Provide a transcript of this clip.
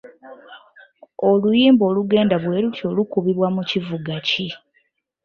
Oluyimba olugenda bwe lutyo lukubibwa mu kivuga ki?